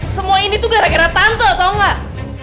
semua ini tuh gara gara tante tau gak